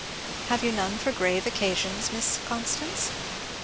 "Have you none for grave occasions, Miss Constance?"